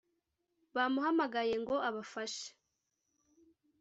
Bamuhamaye ngo abafashe